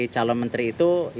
mas ini tadi tadi